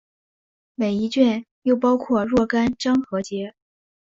每一卷又包括若干章和节。